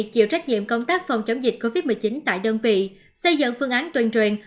chịu trách nhiệm công tác phòng chống dịch covid một mươi chín tại đơn vị xây dựng phương án tuyên truyền